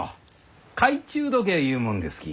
懐中時計ゆうもんですき。